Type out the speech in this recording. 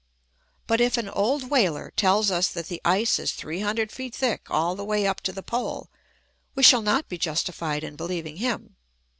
But if an old whaler tells us that the ice is three hundred feet thick all the way up to the Pole, we shall not be justified in behev ing him.